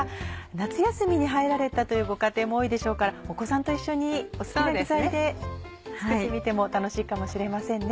夏休みに入られたというご家庭も多いでしょうからお子さんと一緒にお好きな具材で作ってみても楽しいかもしれませんね